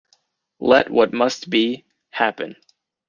Let what must be, happen.